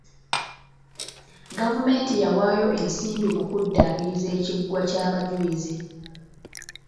Gavumenti yawaayo ensimbi mu kuddaabiriza ekiggwa ky'abajulizi.